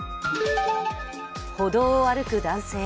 歩道を歩く男性。